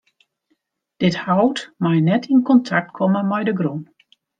Dit hout mei net yn kontakt komme mei de grûn.